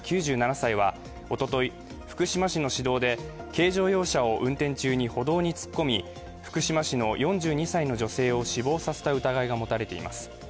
９７歳はおととい、福島市の市道で軽乗用車を運転中に歩道に突っ込み福島市の４２歳の女性を死亡させた疑いが持たれています。